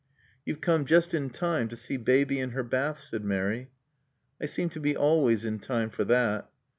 "You've come just in time to see Baby in her bath," said Mary. "I seem to be always in time for that."